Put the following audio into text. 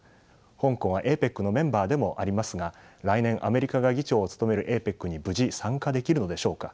香港はＡＰＥＣのメンバーでもありますが来年アメリカが議長を務めるＡＰＥＣに無事参加できるのでしょうか。